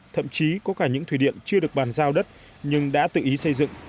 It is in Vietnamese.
thậm chí có cả những thủy điện chưa được bàn giao đất nhưng đã tự ý xây dựng